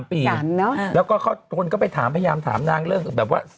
แล้วก็คนก็ไปถามพยายามถามนางเรื่องแบบว่า